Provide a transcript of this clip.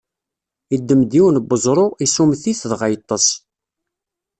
Iddem-d yiwen n uẓru, issummet-it, dɣa yeṭṭeṣ.